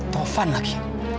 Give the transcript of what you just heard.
tuh van lagi